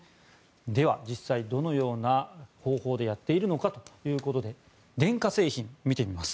では、実際どのような方法でやっているのかということで電化製品、見てみます。